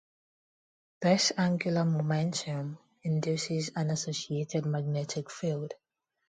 This angular momentum induces an associated magnetic field.